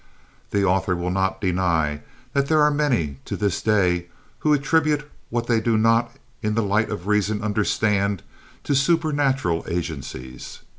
The author will not deny that there are many, to this day, who attribute what they do not in the light of reason understand, to supernatural agencies.